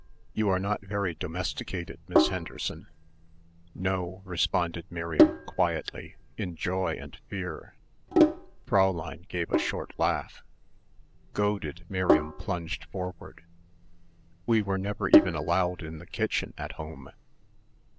"You are not very domesticated, Miss Henderson." "No," responded Miriam quietly, in joy and fear. Fräulein gave a short laugh. Goaded, Miriam plunged forward. "We were never even allowed in the kitchen at home."